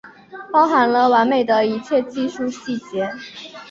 包含了完美的一切技术细节